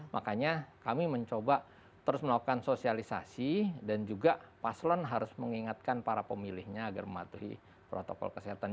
makanya kami mencoba terus melakukan sosialisasi dan juga paslon harus mengingatkan para pemilihnya agar mematuhi protokol kesehatan